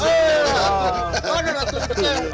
pakai nantur si kek